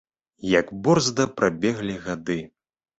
Як борзда прабеглі гады!